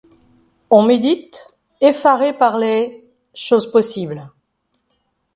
On médite, effaré par les. choses possibles ;